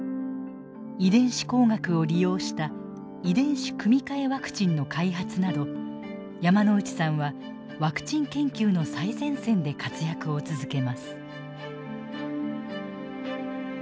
遺伝子工学を利用した遺伝子組み換えワクチンの開発など山内さんはワクチン研究の最前線で活躍を続けます。